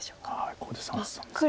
ここで三々ですか。